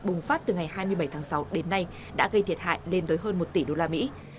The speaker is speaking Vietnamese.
bùng phát từ ngày hai mươi bảy tháng sáu đến nay đã gây thiệt hại lên tới hơn một tỷ usd